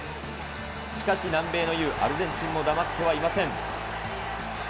しかし、南米の雄、アルゼンチンも黙ってはいません。